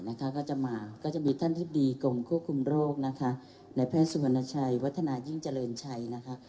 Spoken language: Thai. นะคะนายแพทย์สุวรรณชัยวัฒนายิ่งเจริญชัยนะคะ